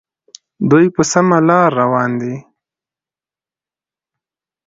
دوی په سمه لار روان دي.